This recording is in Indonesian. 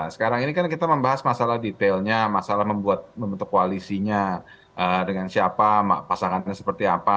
sekarang ini kan kita membahas masalah detailnya masalah membentuk koalisinya dengan siapa pasangannya seperti apa